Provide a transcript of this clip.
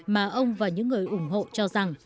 mà ông và những người ủng hộ cho rằng